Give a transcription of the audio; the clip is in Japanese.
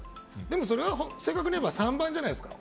でもそれは正確にいえば３番じゃないですか。